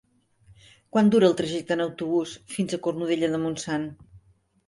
Quant dura el trajecte en autobús fins a Cornudella de Montsant?